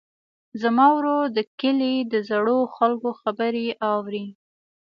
زما ورور د کلي د زړو خلکو خبرې اوري.